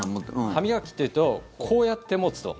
歯磨きというとこうやって持つと。